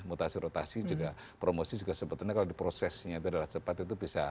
mutasi rotasi juga promosi juga sebetulnya kalau diprosesnya itu adalah cepat itu bisa